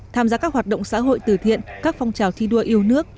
tham gia các hoạt động xã hội từ thiện các phong trào thi đua yêu nước